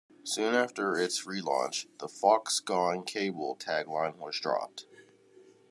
Soon after its relaunch, the "Fox Gone Cable" tagline was dropped.